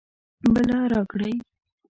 بله راکړئ